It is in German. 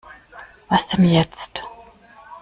Was denn jetzt?